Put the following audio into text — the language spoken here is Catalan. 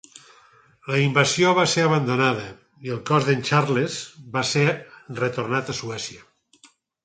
La invasió va ser abandonada i el cos d'en Charles va ser retornat a Suècia.